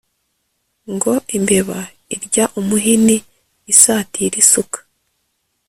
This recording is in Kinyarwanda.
ngo “Imbeba irya umuhini isatira isuka”